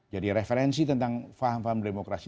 jadi referensi tentang faham faham demokrasi